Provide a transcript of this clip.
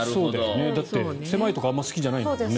だって狭いところはあまり好きじゃないんだもんね。